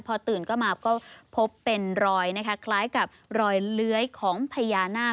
พอตื่นก็มาก็พบเป็นรอยนะคะคล้ายกับรอยเลื้อยของพญานาค